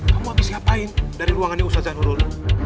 kamu habis siapain dari ruangannya ustaz zanurul